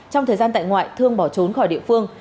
trong thời gian tại ngoại thương bỏ trốn khỏi địa phương